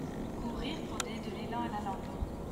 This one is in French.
courir pour donner de l'élan à la langue.